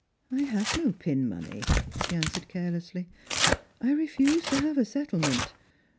" I have no pin money," she answered carelessly. " I refused to have a settlement.